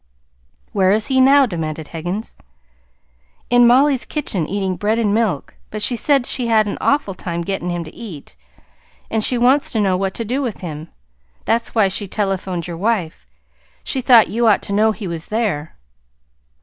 "Where is he now?" demanded Higgins. "In Mollie's kitchen eating bread and milk; but she said she had an awful time getting him to eat. And she wants to know what to do with him. That's why she telephoned your wife. She thought you ought to know he was there."